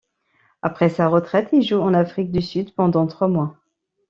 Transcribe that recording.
Après sa retraite, il joue en Afrique du Sud pendant trois mois.